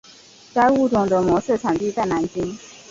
该物种的模式产地在南京。